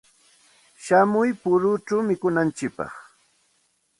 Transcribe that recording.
Shamuy puruchaw mikunantsikpaq.